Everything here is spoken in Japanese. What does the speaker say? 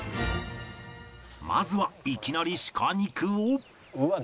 まずはいきなり鹿肉を